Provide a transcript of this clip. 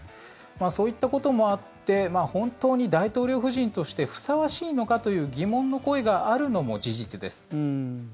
そういったこともあって本当に大統領夫人としてふさわしいのかという疑問の声があるのも事実です。